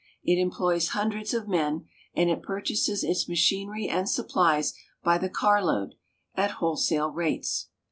It employs hundreds of men, and it purchases its machinery and supplies by the carload, at w^holesale rates.